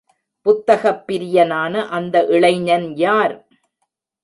புத்தகப் பிரியனான அந்த இளைஞன் யார்?